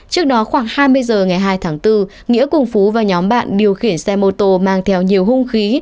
trước đó khoảng hai mươi h ngày hai tháng bốn nghĩa cùng phú và nhóm bạn điều khiển xe mô tô mang theo nhiều hung khí